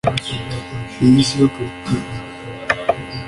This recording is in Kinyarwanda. Iyi siyo politique